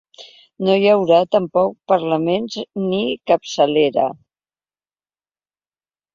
No hi haurà tampoc parlaments ni capçalera.